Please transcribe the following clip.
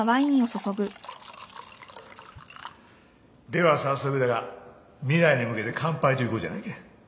では早速だが未来に向けて乾杯といこうじゃないか。